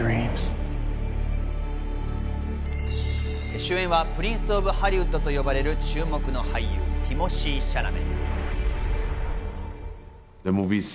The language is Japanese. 主演はプリンス・オブ・ハリウッドと呼ばれる注目の俳優ティモシー・シャラメ。